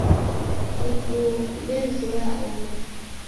Ighuo kudezoya oho